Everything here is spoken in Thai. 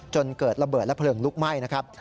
จนเกิดระเบิดและเพลิงลุกไหม้นะครับ